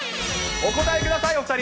お答えください、お２人。